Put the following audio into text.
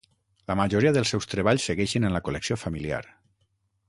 La majoria dels seus treballs segueixen en la col·lecció familiar.